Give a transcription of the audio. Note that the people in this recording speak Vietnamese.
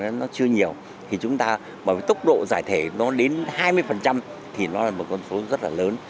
với nhiều thì chúng ta bởi với tốc độ giải thể nó đến hai mươi thì nó là một con số rất là lớn